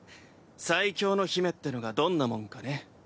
最強の姫ってのがどんなもんかね。